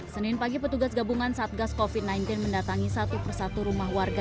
senin pagi petugas gabungan satgas covid sembilan belas mendatangi satu persatu rumah warga